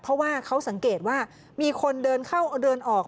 เพราะว่าเขาสังเกตว่ามีคนเดินเข้าเดินออก